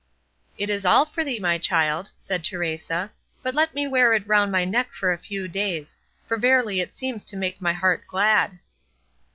"It is all for thee, my child," said Teresa; "but let me wear it round my neck for a few days; for verily it seems to make my heart glad."